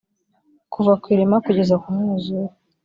kuva ku irema kugeza ku mwuzure